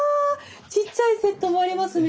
ちっちゃいセットもありますね！